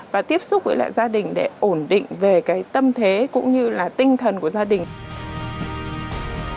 và tiếp xúc với gia đình để ổn định về tâm thế cũng như tinh thần của gia đình